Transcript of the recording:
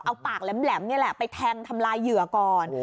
เอาปากแหลมนี่แหละไปแทงทำลายเหยื่อก่อน